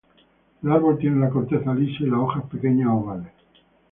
El árbol tiene la corteza lisa y las hojas pequeñas ovales.